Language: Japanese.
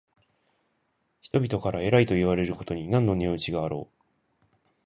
人々から偉いといわれることに何の値打ちがあろう。